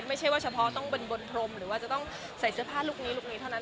ไม่ใช่ว่าเฉพาะต้องบนพรมหรือว่าจะต้องใส่เสื้อผ้าลูกนี้ลูกนี้เท่านั้น